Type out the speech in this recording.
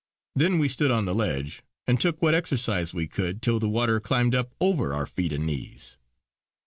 Then we stood on the ledge and took what exercise we could till the water climbed up over our feet and knees.